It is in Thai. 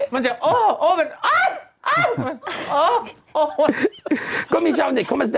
มันจะโอ่โอ่แบบฮืมอ้ำอ้ำ